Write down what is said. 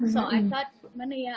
jadi gue pikir mana ya